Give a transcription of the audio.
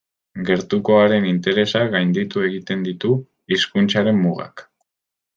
Gertukoaren interesak gainditu egiten ditu hizkuntzaren mugak.